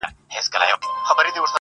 ما خو څو واره ازمويلى كنه.